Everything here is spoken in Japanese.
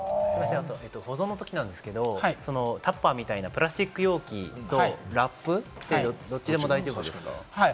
保存のときなんですけれど、タッパーみたいなプラスチック容器とラップ、どっちでも大丈夫ですか？